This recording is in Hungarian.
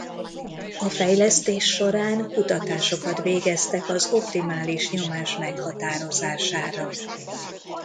A fejlesztés során kutatásokat végeztek az optimális nyomás meghatározására.